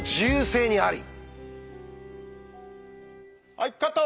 はいカット！